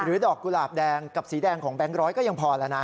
ดอกกุหลาบแดงกับสีแดงของแบงค์ร้อยก็ยังพอแล้วนะ